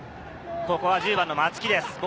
ここは１０番の松木です。